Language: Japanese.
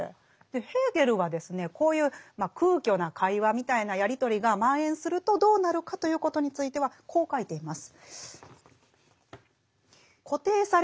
ヘーゲルはこういう空虚な会話みたいなやり取りが蔓延するとどうなるかということについてはこう書いています。